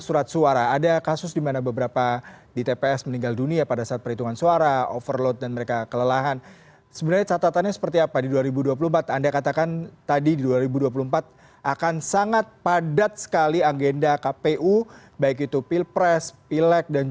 bagaimana dengan tempat yang lain